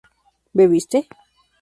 ¿bebiste?